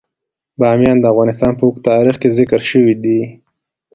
بامیان د افغانستان په اوږده تاریخ کې ذکر شوی دی.